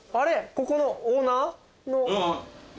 ここのオーナーの？